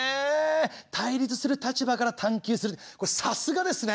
対立する立場から探究するさすがですね。